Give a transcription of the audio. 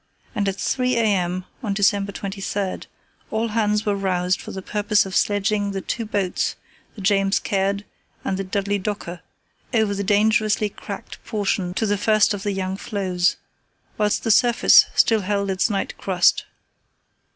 and at 3 a.m. on December 23 all hands were roused for the purpose of sledging the two boats, the James Caird and the Dudley Docker, over the dangerously cracked portion to the first of the young floes, whilst the surface still held its night crust.